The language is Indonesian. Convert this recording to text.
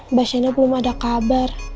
mbak shina belum ada kabar